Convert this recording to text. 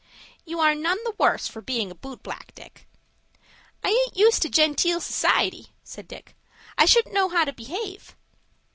"You are none the worse for being a boot black, Dick." "I aint used to genteel society," said Dick. "I shouldn't know how to behave."